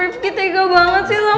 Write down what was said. rifqi tega banget sih sama gue